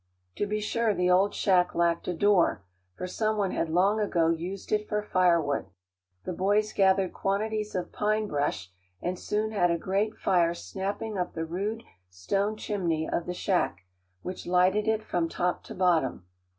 To be sure the old shack lacked a door, for some one had long ago used it for firewood. The boys gathered quantities of pine brush, and soon had a great fire snapping up the rude stone chimney of the shack, which lighted it from top to bottom.